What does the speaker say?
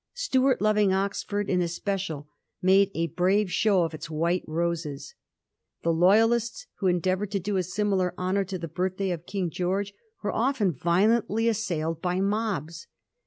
Stuart loving Oxford in especial made a brave show of its white roses. The Loyalists, who endeavoured to do a similar honour to the birthday of King George, were often violently assailed by mobs.